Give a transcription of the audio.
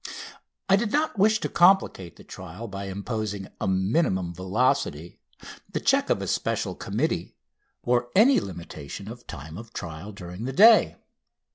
I did not wish to complicate the trial by imposing a minimum velocity, the check of a special committee, or any limitation of time of trial during the day.